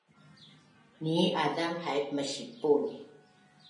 Nii azam haip masipul